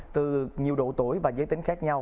từ nhiều độ tuổi và giới tính khác nhau